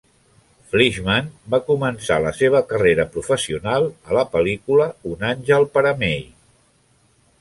Fleeshman va començar la seva carrera professional a la pel·lícula "Un àngel per a May".